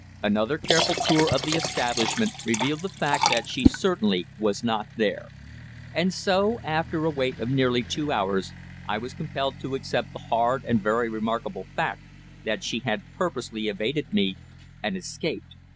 Another careful tour of the establishment revealed the fact that she certainly was not there. And so, after a wait of nearly two hours, I was compelled to accept the hard and very remarkable fact that she had purposely evaded me, and escaped!